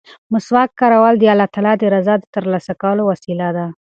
مسواک کارول د الله تعالی د رضا د ترلاسه کولو وسیله ده.